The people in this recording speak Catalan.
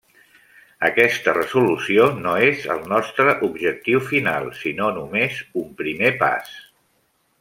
Aquesta resolució no és el nostre objectiu final, sinó només un primer pas.